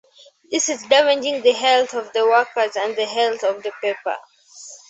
This is damaging the health of the workers and the health of the paper.